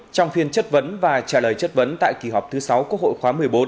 trong phiên chất vấn và trả lời chất vấn tại kỳ họp thứ sáu quốc hội khóa một mươi bốn